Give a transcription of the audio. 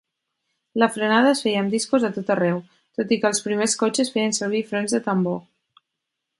La frenada es feia amb discos a tot arreu, tot i que els primers cotxes feien servir frens de tambor.